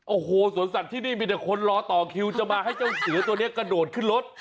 โอ้โหสวนสัตว์ที่นี่มีแต่คนรอต่อคิวจะมาให้เจ้าเสือตัวนี้กระโดดขึ้นรถ